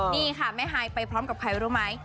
นี่ค่ะแม่ฮายไปพร้อมกับใครรู้ไหม